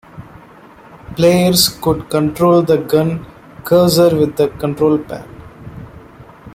Players could control the gun cursor with the control pad.